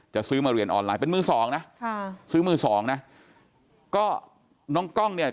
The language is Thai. จะซื้อมาเรียนออนไลน์เป็นมือสองนะ